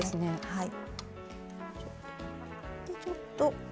はい。